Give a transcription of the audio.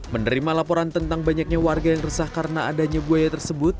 menerima laporan tentang banyaknya warga yang resah karena adanya buaya tersebut